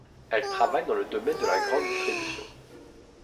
Elle travaille dans le domaine de la grande distribution.